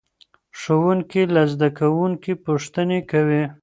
ښوونکی له زده کوونکو پوښتنې کوي.